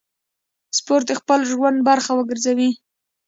سپورت د خپل ژوند برخه وګرځوئ.